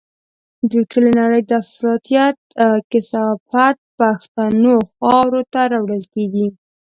د ټولې نړۍ د افراطيت کثافات پښتنو خاورو ته راوړل کېږي.